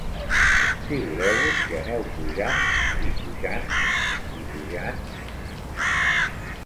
Figureu-vos que aneu pujant, i pujant, i pujant